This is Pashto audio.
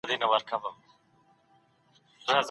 د کورنيو ستونزو حللارې معلومول اسانه کار دی.